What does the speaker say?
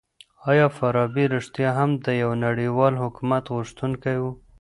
آیا فارابي رښتيا هم د يوه نړيوال حکومت غوښتونکی و؟